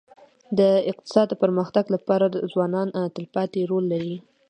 د اقتصاد د پرمختګ لپاره ځوانان تلپاتې رول لري.